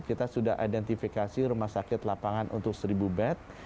kita sudah identifikasi rumah sakit lapangan untuk seribu bed